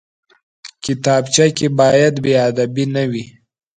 کتابچه کې باید بېادبي نه وي